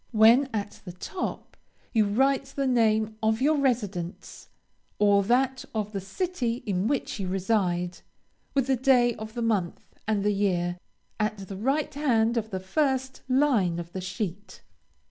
When at the top, you write the name of your residence, or that of the city in which you reside, with the day of the month and the year, at the right hand of the first line of the sheet.